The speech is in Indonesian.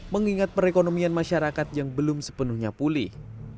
mengingat perekonomian masyarakat yang belum sepenuhnya pulih